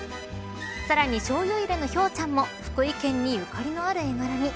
さらにしょうゆ入れのひょうちゃんも福井県にゆかりのある絵柄に。